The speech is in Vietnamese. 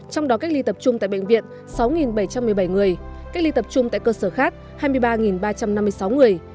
trong đó cách ly tập trung tại bệnh viện sáu bảy trăm một mươi bảy người cách ly tập trung tại cơ sở khác hai mươi ba ba trăm năm mươi sáu người